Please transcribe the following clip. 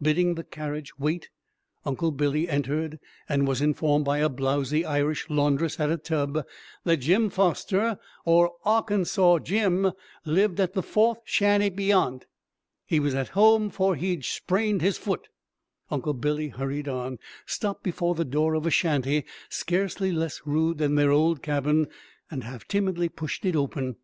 Bidding the carriage wait; Uncle Billy entered, and was informed by a blowzy Irish laundress at a tub that Jim Foster, or "Arkansaw Jim," lived at the fourth shanty "beyant." He was at home, for "he'd shprained his fut." Uncle Billy hurried on, stopped before the door of a shanty scarcely less rude than their old cabin, and half timidly pushed it open.